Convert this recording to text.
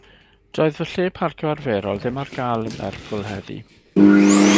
Doedd fy lle parcio arferol ddim ar gael yn Lerpwl heddiw.